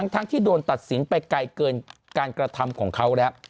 ทั้งที่โดนตัดสินไปไกลเกินการกระทำของเขาแล้ว